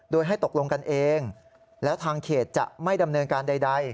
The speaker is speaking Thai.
โดยให้ตกลงกันเองแล้วทางเขตจะไม่ดำเนินการใด